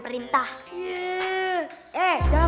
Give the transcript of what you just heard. beda itu kebetulan